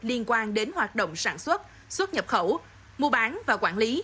liên quan đến hoạt động sản xuất xuất nhập khẩu mua bán và quản lý